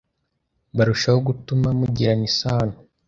burushaho gutuma mugirana isano